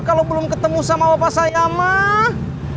kalau belum ketemu sama bapak saya mah